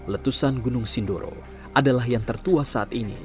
letusan gunung sindoro adalah yang tertua saat ini